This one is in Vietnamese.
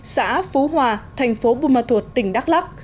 xã phú hòa thành phố bùa mà thuột tỉnh đắk lắc